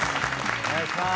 お願いしまーす。